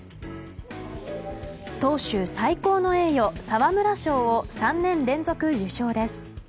投手最高の栄誉沢村賞を３年連続受賞です。